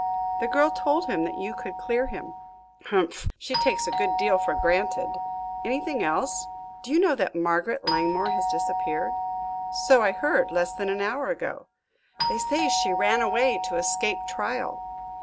The girl told him that you could clear him." "Humph! She takes a good deal for granted. Anything else?" "Do you know that Margaret Langmore has disappeared?" "So I heard, less than an hour ago." "They say she ran away to escape trial."